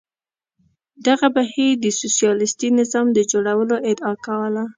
دغه بهیر د سوسیالیستي نظام د جوړولو ادعا کوله.